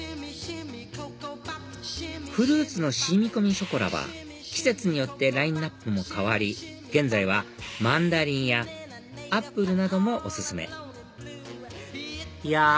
フルーツの染み込みショコラは季節によってラインアップも変わり現在はマンダリンやアップルなどもお薦めいや